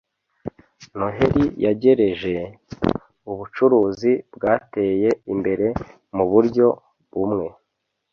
noheri yegereje, ubucuruzi bwateye imbere muburyo bumwe